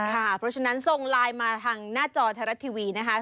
เพราะฉะนั้นส่งไลน์มาทางหน้าจอไทยรัฐทีวีนะคะ